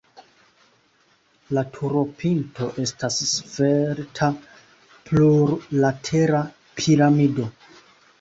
La turopinto estas svelta plurlatera piramido.